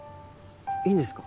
いいんですか？